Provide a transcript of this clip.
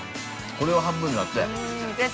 ◆これを半分に割って。